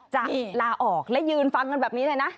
จะลาออกและยืนฟังกันแบบนี้เลยนะ